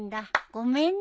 ごめんね。